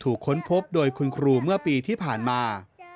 ค้นพบโดยคุณครูเมื่อปีที่ผ่านมา